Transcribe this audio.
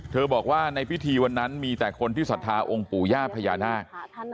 บอกว่าในพิธีวันนั้นมีแต่คนที่ศรัทธาองค์ปู่ย่าพญานาค